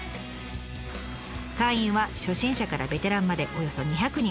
会員は初心者からベテランまでおよそ２００人。